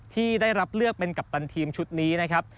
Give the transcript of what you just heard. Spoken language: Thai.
ที่ได้รับเลือกเป็นกัปตันทีมชุดนี้นะครับ